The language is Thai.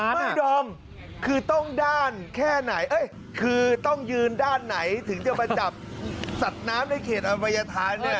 ไม่อดอมคือต้องยืนด้านไหนถึงจะมาจับสัตว์น้ำในเขตอภัยธาตุ